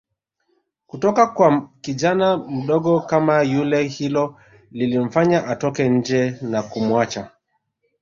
kutoka kwa kijana mdogo kama yule hilo lilimfanya atoke nje na kumuacha